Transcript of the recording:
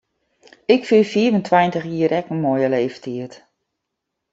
Ik fyn fiif en tweintich jier ek in moaie leeftyd.